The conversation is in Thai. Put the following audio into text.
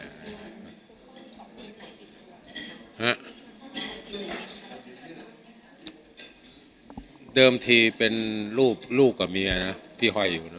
ให้สินะเดิมที่เป็นรูปลูกกับเมียนะพี่ไหวอยู่เนอะ